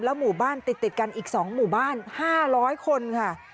หมู่บ้านติดกันอีก๒หมู่บ้าน๕๐๐คนค่ะ